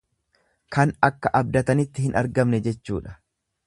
Kan akka abdatanitti hin argamne jechuudha.